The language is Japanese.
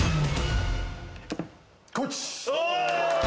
こっち！